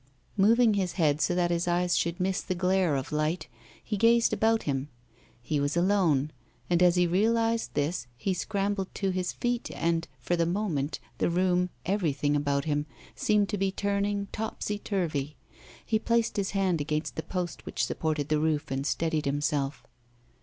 Moving his head so that his eyes should miss the glare of light, he gazed about him. He was alone, and as he realized this he scrambled to his feet, and, for the moment, the room everything about him seemed to be turning topsy turvy. He placed his hand against the post which supported the roof and steadied himself.